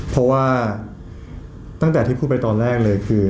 เพราะว่าตั้งแต่ที่พูดไปตอนแรกเลยคือ